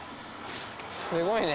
すごいね。